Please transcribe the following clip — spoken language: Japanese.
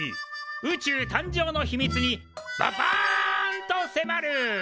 宇宙誕生の秘密にバ『バーン』と迫る」。